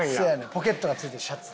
ポケットがついてるシャツ。